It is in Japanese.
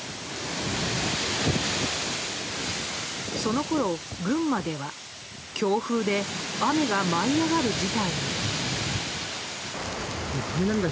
そのころ、群馬では強風で雨が舞い上がる事態に。